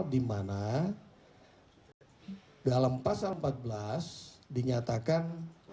di mana dalam pasal empat belas dinyatakan